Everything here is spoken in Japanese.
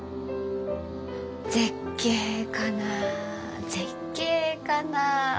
「絶景かな絶景かな。